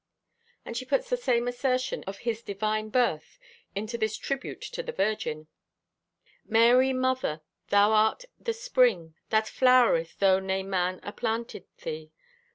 And she puts the same assertion of His divine birth into this tribute to the Virgin: Mary, mother, thou art the Spring That flowereth, though nay man aplanteth thee.